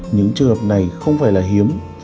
những trường hợp này không phải là hiếm